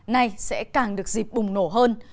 nay sẽ càng được dịp bùng nổ hơn